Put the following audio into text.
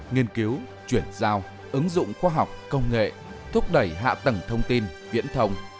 nghiên cứu chuyển giao ứng dụng khoa học công nghệ thúc đẩy hạ tầng thông tin viễn thông